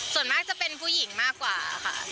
ส่วนมากจะเป็นผู้หญิงมากกว่าค่ะ